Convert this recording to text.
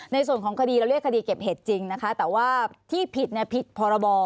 ในส่วนของคดีเราเรียกคดีเก็บเห็ดจริงนะคะแต่ว่าที่ผิดเนี่ยผิดพรบ